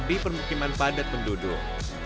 di permukiman padat penduduk